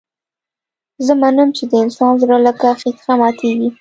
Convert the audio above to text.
زه منم چې د انسان زړه لکه ښيښه ماتېږي.